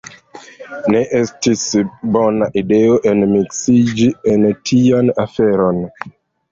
Ne estis bona ideo enmiksiĝi en tian aferon.